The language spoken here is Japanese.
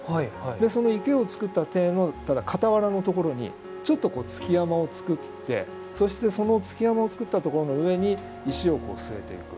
でその池をつくった庭園の傍らのところにちょっと築山をつくってそしてその築山をつくったところの上に石をこう据えていく。